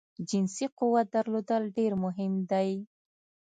جنسی قوت درلودل ډیر مهم دی